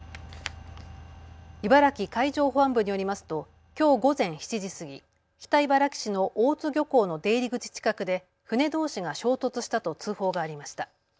茨城海上保安部によりますときょう午前７時過ぎ、北茨城市の大津漁港の出入り口近くで船どうしが衝突したと通報がありました。